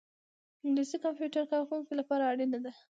انګلیسي د کمپیوټر کاروونکو لپاره اړینه ده